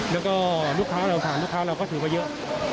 แล้วก็ลูกค้าเราถามลูกค้าเราก็ถือว่าเยอะ